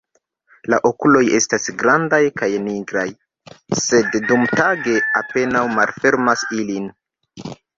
La okuloj estas grandaj kaj nigraj, sed dumtage apenaŭ malfermas ilin.